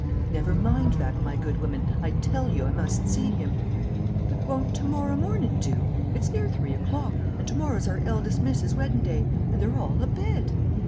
"Never mind that, my good woman; I tell you I must see him." "But won't to morrow mornin' do? It's near three o'clock, and to morrow's our eldest miss's weddin' day; and they're all abed."